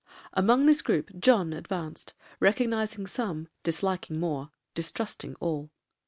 Among this groupe John advanced,—recognising some,—disliking more,—distrusting all.